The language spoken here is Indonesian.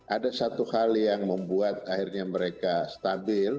ada satu hal yang membuat akhirnya mereka stabil